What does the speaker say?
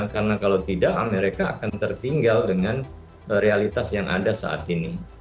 karena kalau tidak amerika akan tertinggal dengan realitas yang ada saat ini